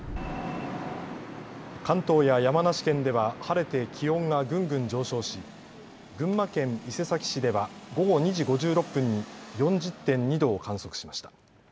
関東や山梨県山梨県では晴れて気温がぐんぐん上昇し群馬県伊勢崎市では午後２時５６分に４０．２度を観測しました。